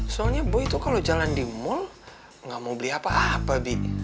soalnya boy itu kalau jalan di mal gak mau beli apa apa bi